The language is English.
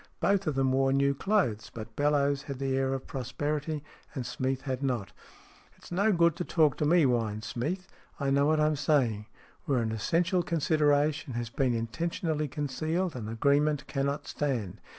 Both of them wore new clothes, but Bellowes had the air of prosperity, and Smeath had not. " It's no good to talk to me," whined Smeath. " I know what I'm saying. Where an essential consideration has been intentionally concealed, an agreement cannot stand.